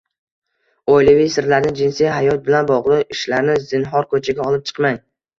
Oilaviy sirlarni, jinsiy hayot bilan bog‘liq ishlarni zinhor ko‘chaga olib chiqmang.